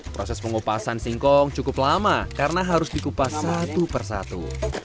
proses pengupasan singkong cukup lama karena harus dikupas satu persatu